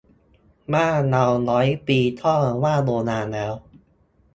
บ้านเราร้อยปีก็ว่าโบราณแล้ว